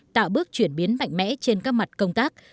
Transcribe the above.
tạo bước chuyển biến mạnh mẽ trên các mặt công tác